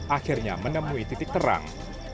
akhirnya menemui titik terang